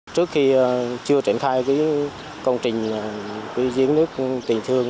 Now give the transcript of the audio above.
trước khi chưa triển khai công trình giếng nước tình thương